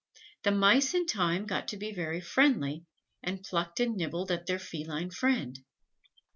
The Mice in time got to be very friendly, and plucked and nibbled at their feline friend.